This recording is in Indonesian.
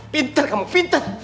pintar kamu pintar